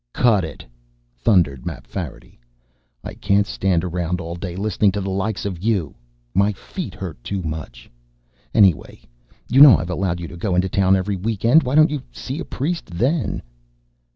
"Cut it!" thundered Mapfarity. "I can't stand around all day, listening to the likes of you. My feet hurt too much. Anyway, you know I've allowed you to go into town every week end. Why don't you see a priest then?"